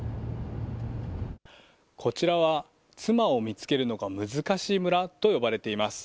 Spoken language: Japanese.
こちらは妻を見つけるのが難しい村と呼ばれています。